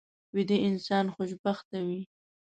ویده انسان خوشبخته وي